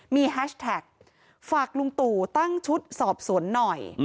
มีแฮชแท็กฝากลุงตู่ตั้งชุดสอบสวนหน่อย